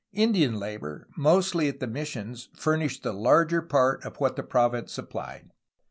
Indian labor, mostly at the missions, furnished the larger part of what the province supplied.